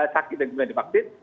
sakit dan juga divaksin